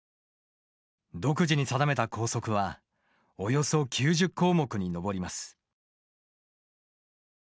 独自に定めた校則はおよそ９０項目に上ります。